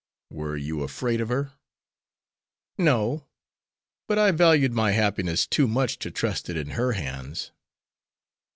"Were you afraid of her?" "No; but I valued my happiness too much to trust it in her hands."